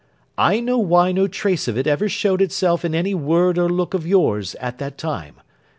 I know why no trace of it ever showed itself in any word or look of yours at that time.